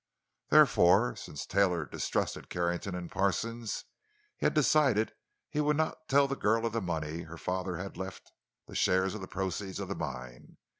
Therefore, since Taylor distrusted Carrington and Parsons, he had decided he would not tell the girl of the money her father had left—the share of the proceeds of the mine.